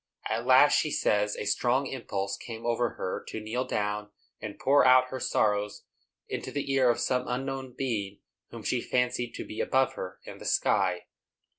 At last, she says, a strong impulse came over her to kneel down and pour out her sorrows into the ear of some unknown Being whom she fancied to be above her, in the sky.